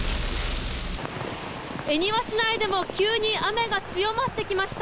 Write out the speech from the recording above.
恵庭市内でも急に雨が強まってきました。